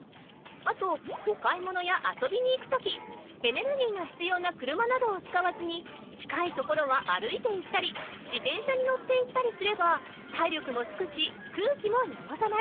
あとお買い物や遊びに行くときエネルギーがひつような車などを使わずに近い所は歩いて行ったり自転車に乗って行ったりすれば体力もつくし空気もよごさない。